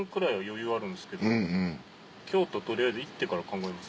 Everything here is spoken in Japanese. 取りあえず行ってから考えますか？